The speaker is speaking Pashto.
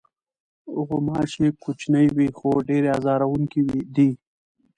غوماشې کوچنۍ وي، خو ډېرې آزاروونکې دي.